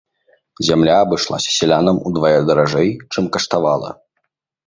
Зямля абышлася сялянам удвая даражэй, чым каштавала.